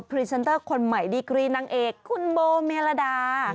รีเซนเตอร์คนใหม่ดีกรีนางเอกคุณโบเมลดา